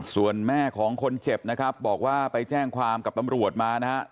ส่วนแม่ของคนเจ็บนะครับบอกว่าไปแจ้งความกับตำรวจมานะฮะ